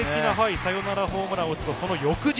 サヨナラホームランを打ってその翌日。